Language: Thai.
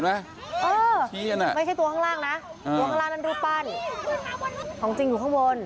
ไม่ใช่ตัวข้างล่างนะตัวข้างล่างนั้นรูปปั้นของจริงอยู่ข้างบน